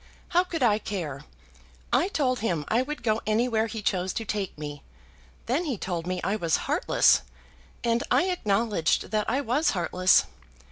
How could I care? I told him I would go anywhere he chose to take me. Then he told me I was heartless; and I acknowledged that I was heartless.